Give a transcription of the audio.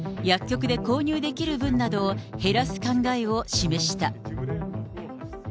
薬局で購入できる分などを減らす考えを示した。